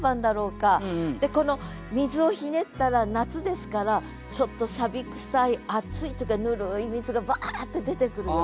で水をひねったら夏ですからちょっとくさい熱いとかぬるい水がバーッて出てくるような。